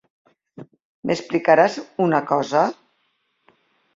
M'explicaràs una cosa?